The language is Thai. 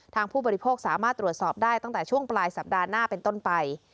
ผู้บริโภคสามารถตรวจสอบได้ตั้งแต่ช่วงปลายสัปดาห์หน้าเป็นต้นไป